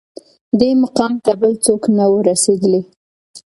دې مقام ته بل څوک نه وه رسېدلي